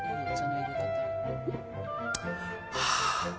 はあ。